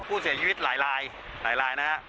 ผู้เสียชีวิตหลายลายหลายลายนะครับ